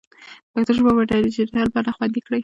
پښتو ژبه په ډیجیټل بڼه خوندي کړئ.